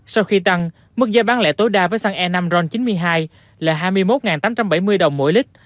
sau khi tăng mức giá bán lẻ tối đa với xăng e năm ron chín mươi hai là hai mươi một tám trăm bảy mươi đồng mỗi lít